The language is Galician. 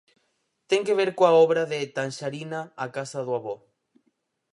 Ten que ver coa obra de Tanxarina A casa do avó?